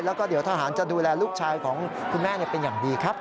แล้วก็เดี๋ยวทหารจะดูแลลูกชายของคุณแม่เป็นอย่างดีครับ